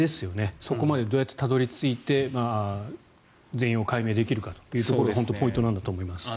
そこまでどうやってたどり着いて全容解明できるかというところがポイントなんだと思います。